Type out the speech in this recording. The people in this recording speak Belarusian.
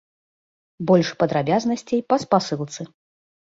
Больш падрабязнасцей па спасылцы.